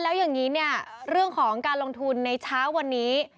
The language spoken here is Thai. แล้วอย่างนี้เนี่ยเรื่องของการลงทุนในเช้าวันนี้